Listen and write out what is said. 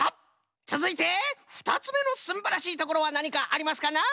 つづいてふたつめのすんばらしいところはなにかありますかな？